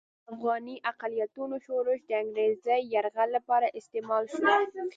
د افغاني اقلیتونو شورش د انګریزي یرغل لپاره استعمال شو.